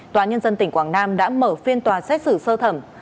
tòa nhân dân tỉnh quảng nam đã mở phiên tòa xét xử sơ thẩm